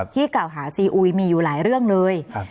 กล่าวหาซีอุยมีอยู่หลายเรื่องเลย